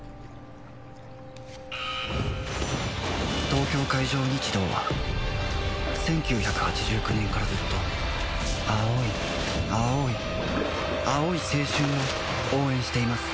東京海上日動は１９８９年からずっと青い青い青い青春を応援しています